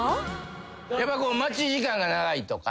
やっぱ待ち時間が長いとか？